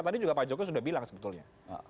tadi juga pak jokowi sudah bilang sebetulnya